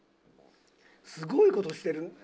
すごい事してる。